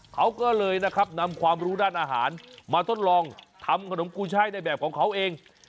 เขาก็เลยนะครับนำความรู้ด้านอาหารมาทดลองทำขนมกุช่ายในแบบของเขาเอง